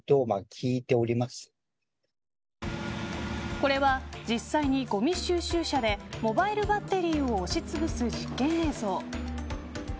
これは実際に、ごみ収集車でモバイルバッテリーを押しつぶす実験映像。